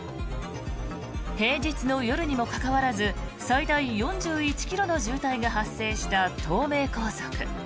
平日の夜にもかかわらず最大４１ｋｍの渋滞が発生した東名高速。